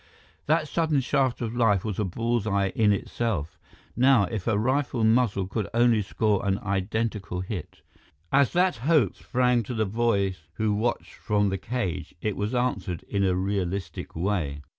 That sudden shaft of light was a bull's eye in itself. Now, if a rifle muzzle could only score an identical hit! As that hope sprang to the boys who watched from the cage, it was answered in a realistic way.